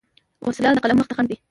وسله د قلم مخ ته خنډ ده